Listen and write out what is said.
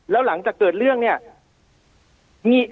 แล้วหลังจากเกิดเรื่องเนี่ย